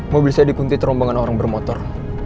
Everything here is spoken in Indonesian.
mobil saya dikunti terombongan orang bermotor